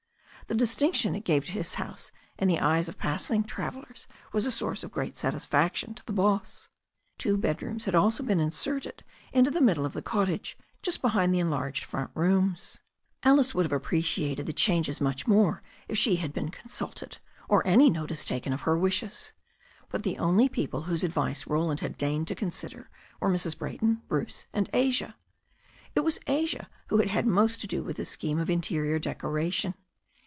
The distinction it gave his house in the eyes of passing travel lers was a source of great satisfaction to the boss. Two bedrooms had also been inserted into the middle of the cot* tage, just behind the enlarged front rooms. THE STORY OF A NEW ZEALAND RIVER 219 Alice would have appreciated the changes much more if she had been consulted, or any notice taken of her wishes. But the only people whose advice Roland had deigned to consider were Mrs. Brayton, Bruce, and Asia. It was Asia who had had most to do with the scheme of interior decora tion.